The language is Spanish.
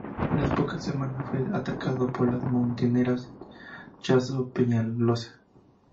A las pocas semanas, fue atacado por las montoneras del Chacho Peñaloza.